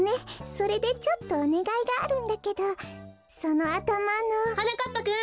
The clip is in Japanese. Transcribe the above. それでちょっとおねがいがあるんだけどそのあたまの。はなかっぱくん！